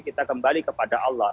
kita kembali kepada allah